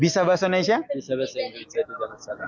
bisa bahasa indonesia tidak masalah